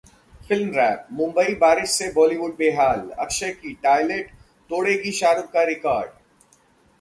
Film Wrap: Mumbai बारिश से बॉलीवुड बेहाल, अक्षय की 'टायलेट' तोड़ेगी शाहरुख का रिकॉर्ड